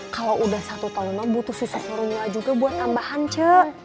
kalau udah satu tahun butuh susu serumnya juga buat tambahan cek